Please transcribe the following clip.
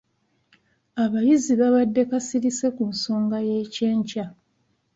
Abayizi babadde kasirise ku nsonga y'ekyenkya.